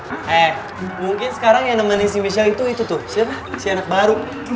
eh mungkin sekarang yang nemenin si michelle itu tuh siapa si anak baru